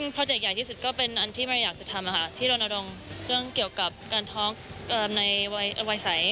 โปรเจกใหญ่ที่สุดก็เป็นอันที่เมริกาจะทำที่โดนอดงเรื่องเกี่ยวกับการท้องในวัยใส